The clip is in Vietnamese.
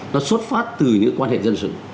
nó xuất phát từ những quan hệ dân sự